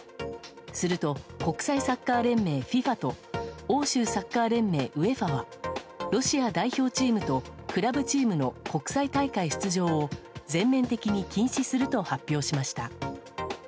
すると国際サッカー連盟・ＦＩＦＡと欧州サッカー連盟・ＵＥＦＡはロシア代表チームとクラブチームの国際大会出場を全面的に禁止すると発表しました。